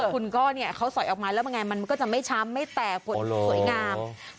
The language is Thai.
คุณก้อเนี่ยเขาสอยออกมาแล้วมันไงมันก็จะไม่ช้ำไม่แตกฝนสวยงาม